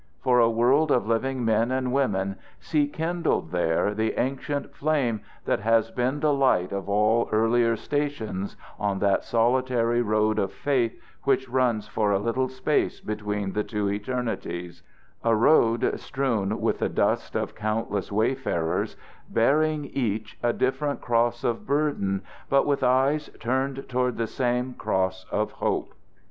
For a world of living men and women see kindled there the same ancient flame that has been the light of all earlier stations on that solitary road of faith which runs for a little space between the two eternities a road strewn with the dust of countless wayfarers bearing each a different cross of burden but with eyes turned toward the same Cross of hope.